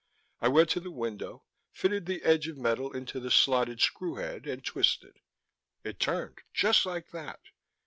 I went to the window, fitted the edge of metal into the slotted screw head, and twisted. It turned, just like that.